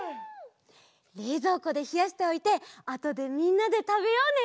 れいぞうこでひやしておいてあとでみんなでたべようね！